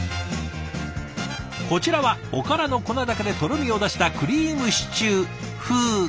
こちらはおからの粉だけでとろみを出したクリームシチュー風。